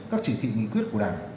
các chỉ thị nghị quyết của đảng